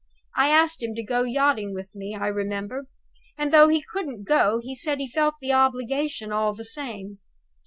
I asked him to go yachting with me, I remember; and, though he couldn't go, he said he felt the obligation all the same.